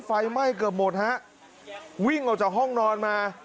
ไฟไหม้เกือบหมดฮะวิ่งออกจากห้องนอนมา